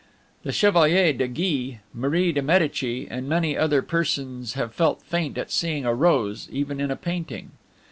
The Chevalier de Guise, Marie de Medici, and many other persons have felt faint at seeing a rose even in a painting.